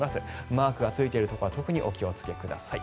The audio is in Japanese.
マークがついているところは特にお気をつけください。